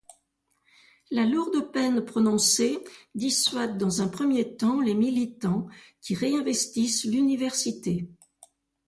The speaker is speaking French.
La lourde peine prononcée dissuade dans un premier temps les militants qui réinvestissent l'université.